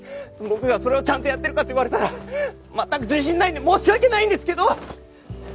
僕がそれをちゃんとやってるかって言われたら全く自信ないんで申し訳ないんですけど！